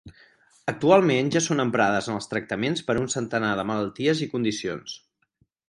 Actualment ja són emprades en els tractaments per un centenar de malalties i condicions.